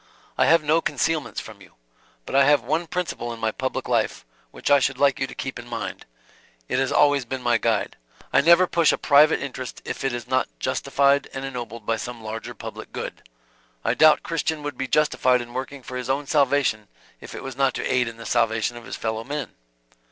I have no concealments from you. But I have one principle in my public life, which I should like you to keep in mind; it has always been my guide. I never push a private interest if it is not Justified and ennobled by some larger public good. I doubt if a Christian would be justified in working for his own salvation if it was not to aid in the salvation of his fellow men."